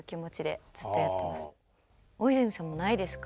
大泉さんもないですか？